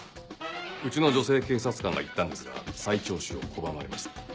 うちの女性警察官が行ったんですが再聴取を拒まれました。